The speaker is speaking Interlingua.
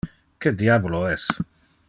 Que diabolo es?